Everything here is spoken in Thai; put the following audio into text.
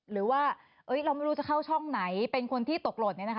หรือว่าเราไม่รู้จะเข้าช่องไหนเป็นคนที่ตกหล่น